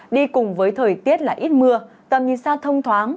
đi cùng với thời tiết là ít mưa tầm nhìn xa thông thoáng